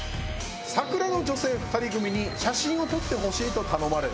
サクラの女性２人組に写真を撮ってほしいと頼まれる。